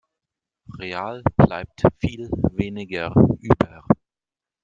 Real bleibt viel weniger über.